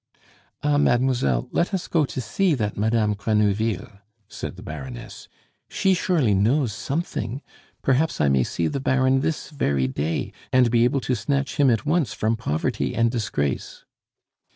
"Ah, mademoiselle, let us go to see that Madame Grenouville," said the Baroness. "She surely knows something! Perhaps I may see the Baron this very day, and be able to snatch him at once from poverty and disgrace."